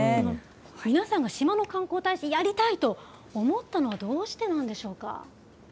皆さんが島の観光大使、やりたいと思ったのはどうしてなんでしょうか。